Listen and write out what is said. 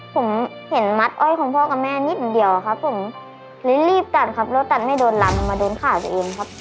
ผมเห็นมัดอ้อยของพ่อกับแม่นิดเดียวครับผมเลยรีบตัดครับแล้วตัดไม่โดนลำมาโดนขาตัวเองครับ